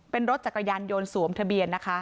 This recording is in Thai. เป็นรถจักรยานยนต์สวมทะเบียนนะคะ